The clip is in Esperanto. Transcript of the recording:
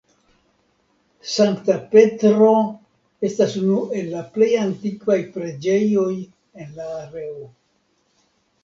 Sankta Petro estas unu el la plej antikvaj preĝejoj en la areo.